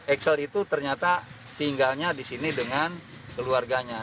axel itu ternyata tinggalnya di sini dengan keluarganya